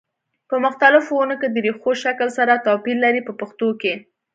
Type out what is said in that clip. په مختلفو ونو کې د ریښو شکل سره توپیر لري په پښتو کې.